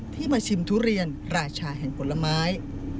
มาชิมทุเรียนราชาแห่งผลไม้